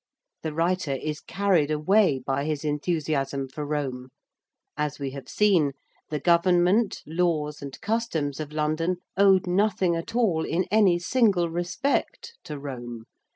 The writer is carried away by his enthusiasm for Rome. As we have seen, the government, laws, and customs of London owed nothing at all, in any single respect, to Rome.